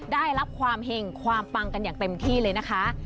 ได้รับความเห็งความปังกันอย่างเต็มที่เลยนะคะ